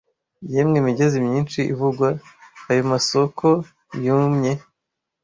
Yemwe migezi myinshi ivugwa, ayo masoko yumye?